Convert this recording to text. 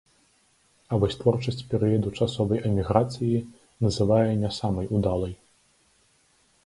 А вось творчасць перыяду часовай эміграцыі называе не самай удалай.